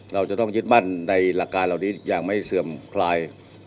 เราจะต้องยึดมั่นในหลักการเหล่านี้อย่างไม่เสื่อมคลาย